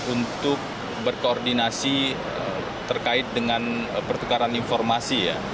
untuk berkoordinasi terkait dengan pertukaran informasi ya